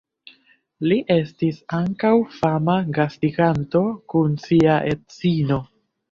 Li estis ankaŭ fama gastiganto kun sia edzino.